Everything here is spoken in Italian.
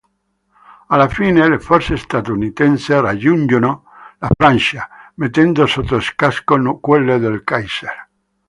Alla fine, le forze statunitensi raggiungono la Francia, mettendo sotto scacco quelle del Kaiser.